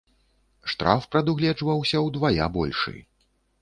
Штраф прадугледжваўся ўдвая большы.